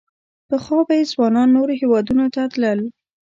پخوا به یې ځوانان نورو هېوادونو ته تلل.